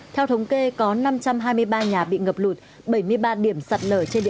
theo thống kê có năm trăm hai mươi ba nhà bị ngập lụt